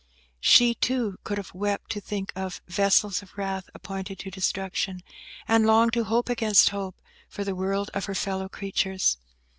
She, too, could have wept to think of "vessels of wrath appointed to destruction," and longed to hope against hope for the world of her fellow creatures.